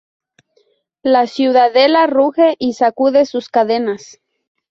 La ciudadela ruge y sacude sus cadenas.